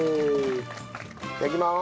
いただきまーす。